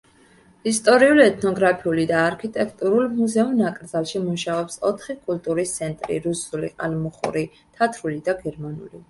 ისტორიულ-ეთნოგრაფიული და არქიტექტურულ მუზეუმ-ნაკრძალში მუშაობს ოთხი კულტურის ცენტრი: რუსული, ყალმუხური, თათრული და გერმანული.